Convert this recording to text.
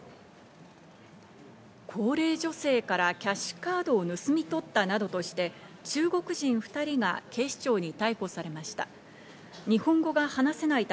高齢女性からキャッシュカードを盗み取ったなどとして、中国人２人が警視庁に逮捕されました。